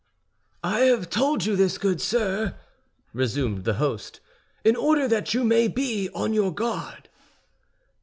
"I have told you this, good sir," resumed the host, "in order that you may be on your guard."